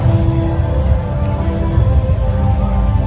สโลแมคริปราบาล